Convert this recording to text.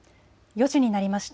４時になりました。